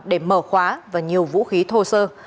để mở khóa và nhiều vũ khí thô sơ